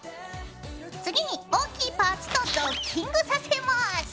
次に大きいパーツとドッキングさせます！